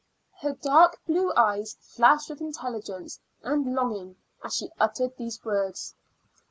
Her dark blue eyes flashed with intelligence and longing as she uttered these words.